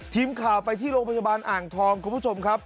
ทีมข่าวไปที่โรงพยาบาลอ่างทองคุณผู้ชมครับ